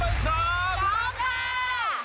พร้อมค่ะ